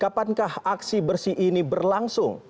kapankah aksi bersih ini berlangsung